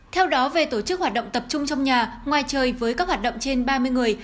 theo đó về tổ chức hoạt động tập trung trong nhà ngoài trời với các hoạt động trên ba mươi người